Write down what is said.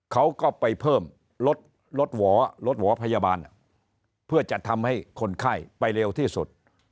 เขาก็ไปเพิ่มรถหวอรถหวอพยาบาลเพื่อจะทำให้คนไข้ไปเร็วที่สุด